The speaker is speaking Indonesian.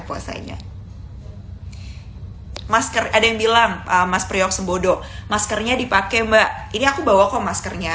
puasanya masker ada yang bilang mas priok sembodo maskernya dipakai mbak ini aku bawa kok maskernya